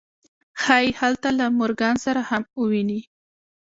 ښایي هلته له مورګان سره هم وویني